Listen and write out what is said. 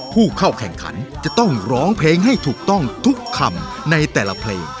ผู้เข้าแข่งขันจะต้องร้องเพลงให้ถูกต้องทุกคำในแต่ละเพลง